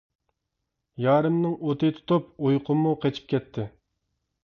يارىمنىڭ ئوتى تۇتۇپ، ئۇيقۇممۇ قېچىپ كەتتى.